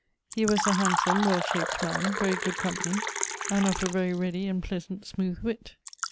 He was a handsome, well shap't man: very good company, and of a very readie and pleasant smooth witt.